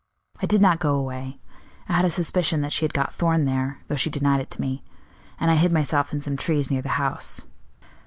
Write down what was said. I did not go away; I had a suspicion that she had got Thorn there, though she denied it to me; and I hid myself in some trees near the house.